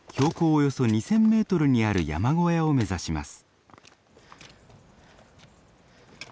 およそ２，０００メートルにある山小屋を目指します。